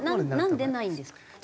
なんでないんですか？